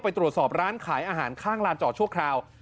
ไปตรวจสอบร้านขายอาหารข้างลานจอดชั่วคราว